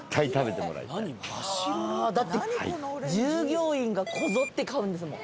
あだって従業員がこぞって買うんですもん。